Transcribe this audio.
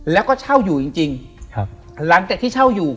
แล้วก็เช่าอยู่จริงหลังจากที่เช่าอยู่